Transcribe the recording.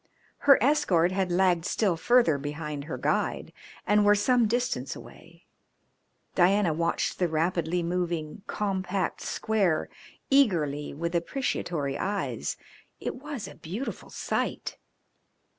Her escort had lagged still further behind her guide and were some distance away. Diana watched the rapidly moving, compact square eagerly with appreciatory eyes it was a beautiful sight.